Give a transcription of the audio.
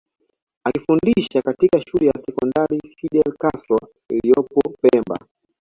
akifundisha katika shule ya sekondari Fidel Castro iliyopo pemba